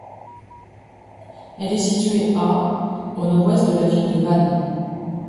Elle est située à au nord-ouest de la ville de Van.